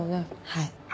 はい。